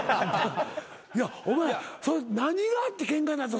いやお前ら何があってケンカになった？